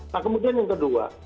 nah kemudian yang kedua